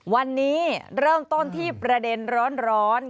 วันนี้เริ่มต้นที่ประเด็นร้อน